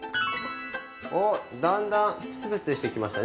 おっだんだんプツプツしてきましたね。